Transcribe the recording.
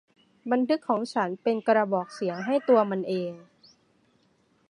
บันทึกของฉันเป็นกระบอกเสียงให้ตัวมันเอง